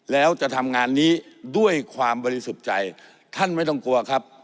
แล้วจะทำงานนี้ด้วยความบริสุทธิ์ใจท่านไม่ต้องกลัวครับ